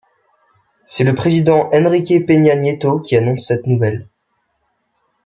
C'est le président Enrique Peña Nieto qui annonce cette nouvelle.